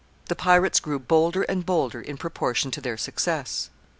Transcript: The pirates grew bolder and bolder in proportion to their success.